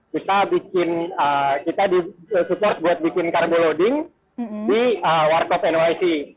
kita bikin kita disupport buat bikin carbo loading di workout nyc